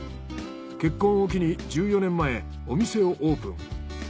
結婚を機に１４年前お店をオープン。